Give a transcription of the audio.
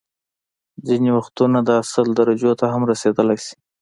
ځینې وختونه دا سل درجو ته هم رسيدلی شي